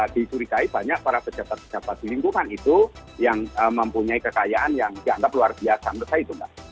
dicurigai banyak para pejabat pejabat di lingkungan itu yang mempunyai kekayaan yang dianggap luar biasa menurut saya itu mbak